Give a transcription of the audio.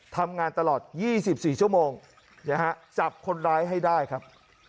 ทำงานตลอด๒๔ชั่วโมงนะฮะจับคนร้ายให้ได้ครับ